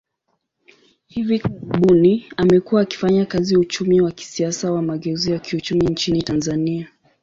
Hivi karibuni, amekuwa akifanya kazi uchumi wa kisiasa wa mageuzi ya kiuchumi nchini Tanzania.